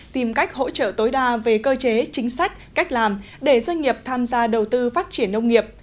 tìm cách hỗ trợ tối đa về cơ chế chính sách cách làm để doanh nghiệp tham gia đầu tư phát triển nông nghiệp